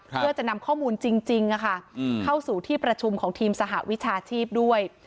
เพื่อจะนำข้อมูลจริงเข้าสู่ที่ประชุมของทีมสหวิชาชีพด้วย